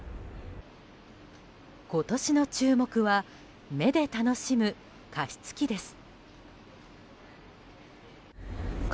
今年の注目は目で楽しむ加湿器です。